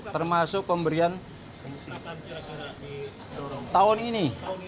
termasuk pemberian tahun ini